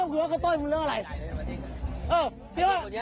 มีแบบต้อยอะไรให้ผมพอเลย